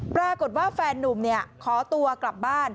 ปรากฏว่าแฟนนุ่มขอตัวกลับบ้าน